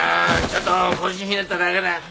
ちょっと腰ひねっただけだよ。